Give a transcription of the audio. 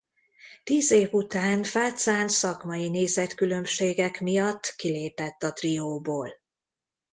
Tíz év után Fácán szakmai nézetkülönbségek miatt kilépett a trióból.